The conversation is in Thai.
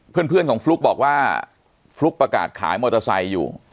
เพื่อนของฟลุ๊กบอกว่าฟลุ๊กประกาศขายมอเตอร์ไซค์อยู่